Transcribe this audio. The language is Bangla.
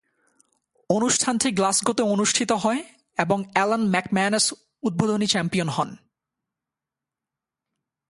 অনুষ্ঠানটি গ্লাসগোতে অনুষ্ঠিত হয় এবং অ্যালান ম্যাকম্যানাস উদ্বোধনী চ্যাম্পিয়ন হন।